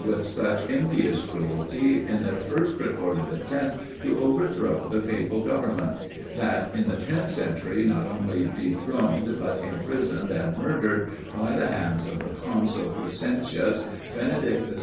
with such impious cruelty in their first recorded attempt to overthrow the papal government; that in the 10th century not only dethroned, but imprisoned and murdered, by the hands of the consul Crescentius, Benedict VI.